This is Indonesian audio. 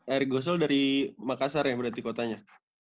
erik gosol dari makassar ya berarti kotanya